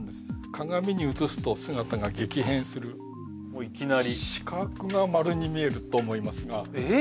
鏡に映すと姿が激変するもういきなり四角が丸に見えると思いますがええ！？